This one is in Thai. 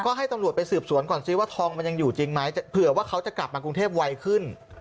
ก็ให้ตำรวจไปสืบสวนก่อนซิว่าทองมันยังอยู่จริงไหมเผื่อว่าเขาจะกลับมากรุงเทพไวขึ้น